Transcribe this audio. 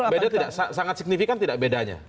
beda tidak sangat signifikan tidak bedanya